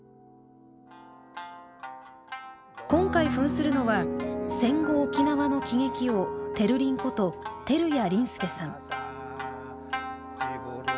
今回ふんするのは戦後沖縄の喜劇王てるりんこと照屋林助さん。